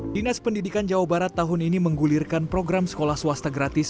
dinas pendidikan jawa barat tahun ini menggulirkan program sekolah swasta gratis